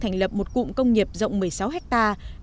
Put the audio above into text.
thành lập một cụm công nghiệp rộng một mươi sáu hectare